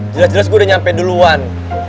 jelas jelas gue udah nyampe duluan